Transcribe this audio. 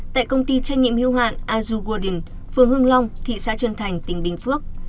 tại công ty trách nhiệm hưu hạn azu gordon phường hương long thị xã trần thành tỉnh bình phước